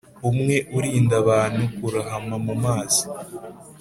umwe urinda abantu kurohama mu mazi.